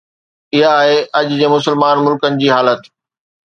اها آهي اڄ جي مسلمان ملڪن جي حالت